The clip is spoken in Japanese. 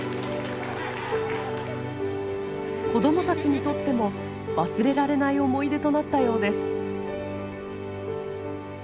子どもたちにとっても忘れられない思い出となったようです。